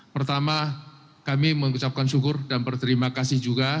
pertama kami mengucapkan syukur dan berterima kasih juga